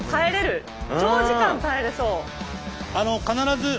長時間耐えれそう。